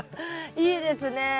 いいですね。